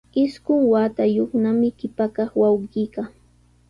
Isqun watayuqnami qipa kaq wawqiiqa.